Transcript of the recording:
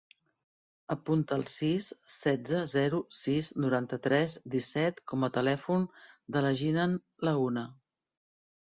Apunta el sis, setze, zero, sis, noranta-tres, disset com a telèfon de la Jinan Laguna.